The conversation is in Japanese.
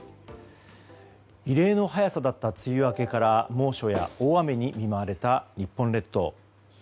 異例の早さだった梅雨明けから猛暑は大雨に見舞われた日本列島。